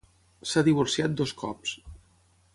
S'ha divorciat dos cops.